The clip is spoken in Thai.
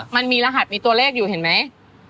มันมีรหัสมีตัวเลขอยู่เห็นไหม